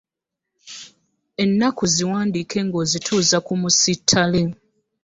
Ennukuta ziwandike ng'ozituuza ku mu sittale.